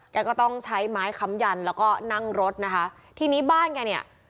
แกก็ต้องใช้ไม้ค้ำยันแล้วก็นั่งรถนะคะทีนี้บ้านแกเนี่ย